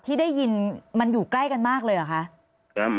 ที่ได้ยินมันอยู่ใกล้กันมากเลยเหรอค่ะครับมันประมาณไม่ไม่